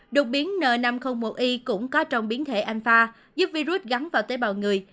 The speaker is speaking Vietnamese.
đột biến n năm trăm linh một i cũng có trong biến thể anfa giúp virus gắn vào tế bào người